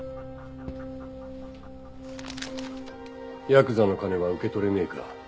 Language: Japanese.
ヤクザの金は受け取れねえか。